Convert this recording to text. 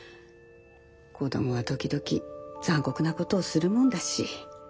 子どもは時々残酷なことをするもんだし。